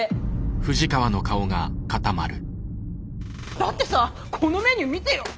だってさこのメニュー見てよ。